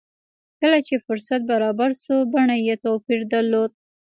کله چې فرصت برابر شو بڼه يې توپير درلود.